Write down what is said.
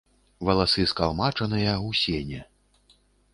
Валасы скалмачаныя, у сене.